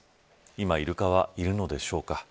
今イルカはいるのでしょうか。